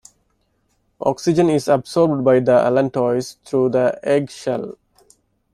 Oxygen is absorbed by the allantois through the egg shell.